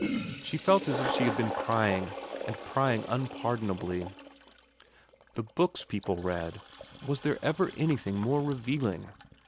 She felt as if she had been prying, and prying unpardonably. The books people read, was there ever anything more revealing